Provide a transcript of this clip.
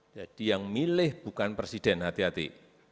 jadi yang milih bukan presiden hati hati